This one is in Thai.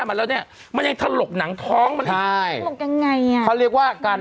มาแล้วเนี้ยมันยังถลกหนังท้องมันอีกใช่ถลกยังไงอ่ะเขาเรียกว่าการ